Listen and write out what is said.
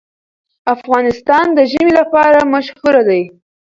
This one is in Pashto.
افغانستان د ژمی لپاره مشهور دی.